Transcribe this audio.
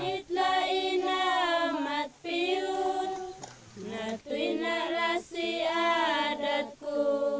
bukit lain amat piut menatuhi narasi adatku